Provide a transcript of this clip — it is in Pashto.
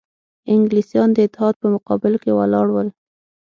انګلیسیان د اتحاد په مقابل کې ولاړ ول.